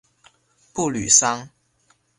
布吕桑。